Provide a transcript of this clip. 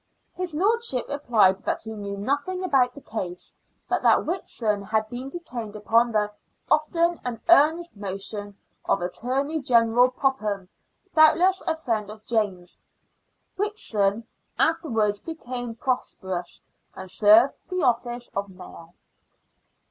His lordship replied that he knew nothing about the case, but that Whitson had been detained upon the " often and earnest motion " of Attorney General Popham, doubtless a friend of James. Whitson after wards became prosperous, and served the office of Mayor.